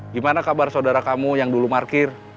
gimana kabar saudara kamu yang dulu markir